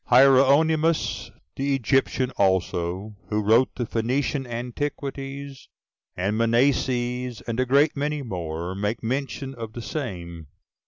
Hieronymus the Egyptian also, who wrote the Phoenician Antiquities, and Mnaseas, and a great many more, make mention of the same.